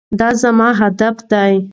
دا زموږ هدف دی.